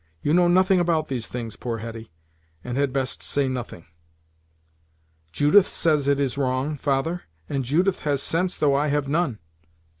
You know nothing about these things, poor Hetty, and had best say nothing." "Judith says it is wrong, father; and Judith has sense though I have none."